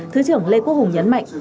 thứ trưởng lê quốc hùng nhấn mạnh